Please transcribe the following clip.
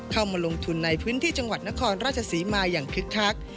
เข้ามาลงทุนในพื้นที่จังหวัดนครราชศรีมาอย่างคึกคัก